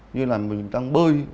như là mình đang bơi